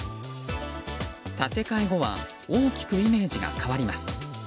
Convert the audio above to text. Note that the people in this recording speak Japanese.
建て替え後は大きくイメージが変わります。